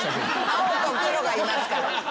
青と黒がいますから。